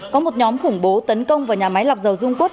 có một nhóm khủng bố tấn công vào nhà máy lọc dầu dung quất